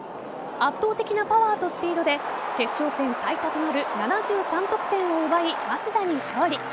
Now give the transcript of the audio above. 圧倒的なパワーとスピードで決勝戦最多となる７３得点を奪い、早稲田に勝利。